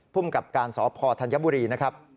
ภูมิกับการสพธัญบุรีนะครับ